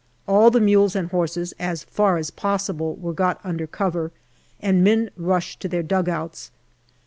All the mules and horses, as far as possible, were got under cover, and men rushed to their dugouts.